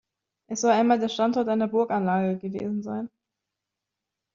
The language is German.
Es soll einmal der Standort einer Burganlage gewesen sein.